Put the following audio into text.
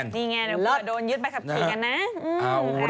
นี่ไงหลับกว่าโดนยืดใบขับขี่กันนะ